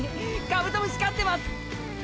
カブトムシ飼ってます！！